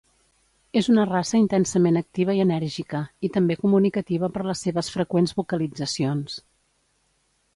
És una raça intensament activa i enèrgica, i també comunicativa per les seves freqüents vocalitzacions.